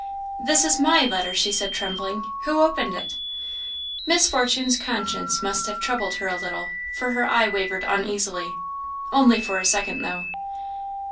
"This is my letter," she said, trembling; "who opened it?" Miss Fortune's conscience must have troubled her a little, for her eye wavered uneasily. Only for a second, though.